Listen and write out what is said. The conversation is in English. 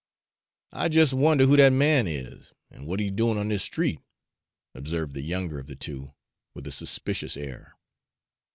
"I jes' wonder who dat man is, an' w'at he 's doin' on dis street," observed the younger of the two, with a suspicious air.